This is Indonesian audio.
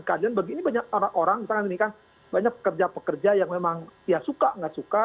karena ini banyak orang misalkan ini kan banyak pekerja pekerja yang memang ya suka nggak suka